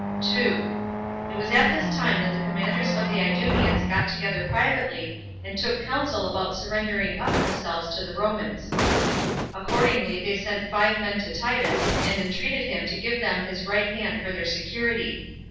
2. It was at this time that the commanders of the Idumeans got together privately, and took counsel about surrendering up themselves to the Romans. Accordingly, they sent five men to Titus, and entreated him to give them his right hand for their security.